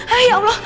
hai ya allah